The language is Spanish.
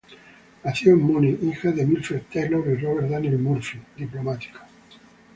Nació en Múnich, hija de Mildred Taylor y Robert Daniel Murphy, diplomático.